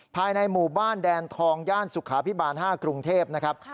ภายในหมู่บ้านแดนทองย่านสุขาพิบาล๕กรุงเทพนะครับ